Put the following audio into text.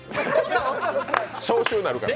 消臭になるから。